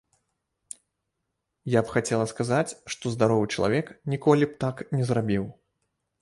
Я б хацела сказаць, што здаровы чалавек ніколі б так не зрабіў.